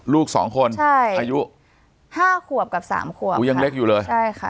ลูกสองคนใช่อายุห้าขวบกับสามขวบโอ้ยังเล็กอยู่เลยใช่ค่ะ